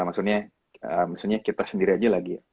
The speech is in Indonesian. maksudnya kita sendiri aja lagi